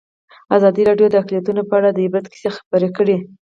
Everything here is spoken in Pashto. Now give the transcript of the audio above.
ازادي راډیو د اقلیتونه په اړه د عبرت کیسې خبر کړي.